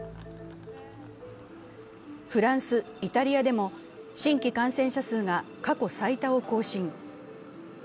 フランス、イタリアでも新規感染者が過去最多を更新。